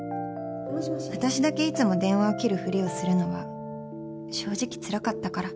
私だけいつも電話を切るふりをするのは正直つらかったから